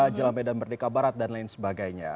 jalan medan merdeka barat dan lain sebagainya